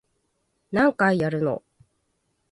何回やるの